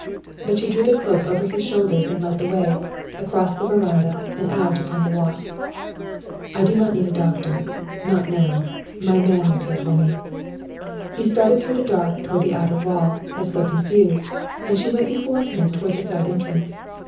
But she threw the cloak over his shoulders and led the way, across the veranda, and out upon the walk. "I do not need the doctor not now. My man will care for me." He started through the dark toward the outer wall, as though confused, and she went before him toward the side entrance.